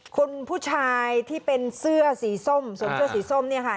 คุณผู้ชายที่เป็นเสื้อสีส้มสวมเสื้อสีส้มเนี่ยค่ะ